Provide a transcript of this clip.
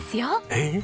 えっ？